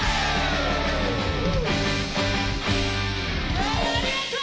ありがとう！